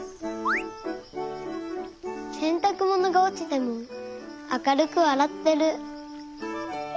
せんたくものがおちてもあかるくわらってる。